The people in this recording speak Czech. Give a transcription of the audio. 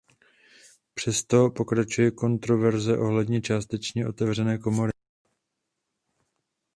Přesto pokračuje kontroverze ohledně částečně otevřené komory.